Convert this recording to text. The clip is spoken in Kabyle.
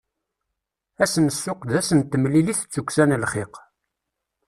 Ass n ssuq d ass n temlilit d tukksa n lxiq.